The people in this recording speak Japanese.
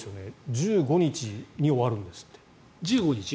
１５日に終わるんですって。